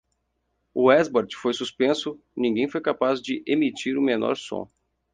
O esbart foi suspenso, ninguém foi capaz de emitir o menor som.